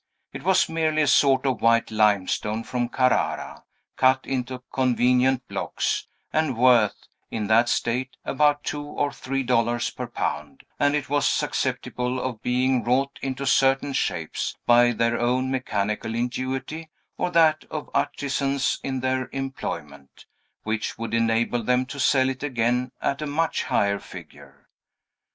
It was merely a sort of white limestone from Carrara, cut into convenient blocks, and worth, in that state, about two or three dollars per pound; and it was susceptible of being wrought into certain shapes (by their own mechanical ingenuity, or that of artisans in their employment) which would enable them to sell it again at a much higher figure.